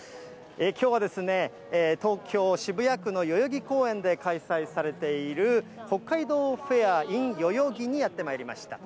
きょうは、東京・渋谷区の代々木公園で開催されている、北海道フェアｉｎ代々木にやってまいりました。